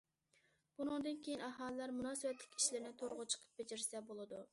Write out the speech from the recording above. بۇنىڭدىن كېيىن ئاھالىلەر مۇناسىۋەتلىك ئىشلىرىنى تورغا چىقىپ بېجىرسە بولىدۇ.